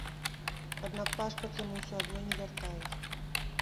Аднак пашпарт яму ўсё адно не вяртаюць.